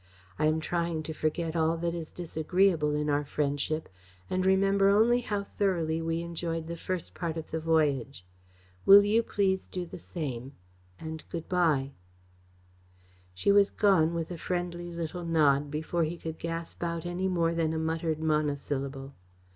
I am trying to forget all that is disagreeable in our friendship, and remember only how thoroughly we enjoyed the first part of the voyage. Will you please do the same and good by!" She was gone with a friendly little nod before he could gasp out any more than a muttered monosyllable.